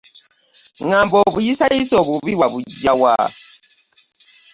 Ngamba obuyisayisa obubi wabuggyawa ?